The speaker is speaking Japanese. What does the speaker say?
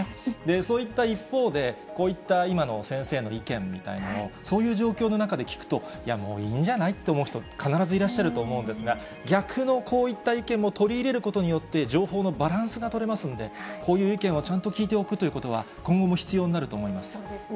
そういった一方で、こういった今の先生の意見みたいのを、そういう状況の中で聞くと、いや、もういいんじゃないと思う人、必ずいらっしゃると思うんですが、逆のこういった意見も取り入れることによって、情報のバランスが取れますんで、こういう意見はちゃんと聞いておくということは、そうですね。